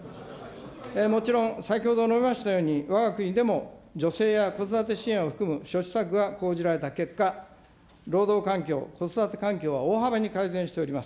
もちろん、先ほど述べましたように、わが国でも女性や子育て支援を含む諸施策が講じられた結果、労働環境、子育て環境は大幅に改善しております。